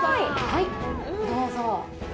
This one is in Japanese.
はい、どうぞ。